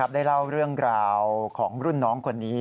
ได้เล่าเรื่องราวของรุ่นน้องคนนี้